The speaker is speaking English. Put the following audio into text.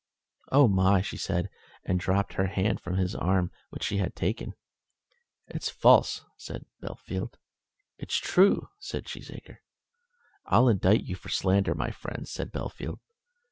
"Oh, my!" she said, and dropped her hand from his arm, which she had taken. "It's false," said Bellfield. "It's true," said Cheesacre. "I'll indict you for slander, my friend," said Bellfield.